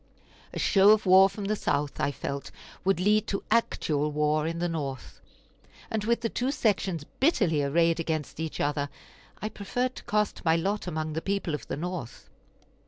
A show of war from the South, I felt, would lead to actual war in the North; and with the two sections bitterly arrayed against each other, I preferred to cast my lot among the people of the North.